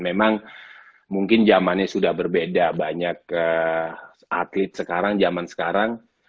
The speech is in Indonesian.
memang mungkin zamannya sudah berbeda banyak atlet sekarang zaman sekarang